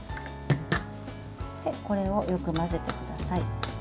これをよく混ぜてください。